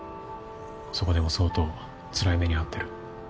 そこでも相当つらい目にあってる。